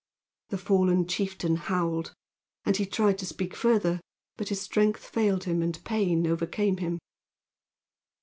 the fallen chieftain howled. And he tried to speak further, but his strength failed him and pain overcame him.